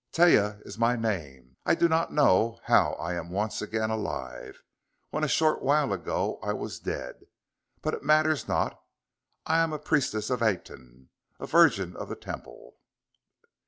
Taia is my name. I do not know how I am once again alive, when a short while ago I was dead but it matters not. I am a priestess of Aten, a virgin of the Temple.